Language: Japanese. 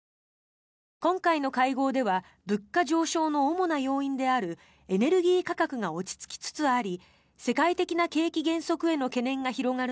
今回の会合では物価上昇の主な要因であるエネルギー価格が落ち着きつつあり世界的な景気減速への懸念が広がる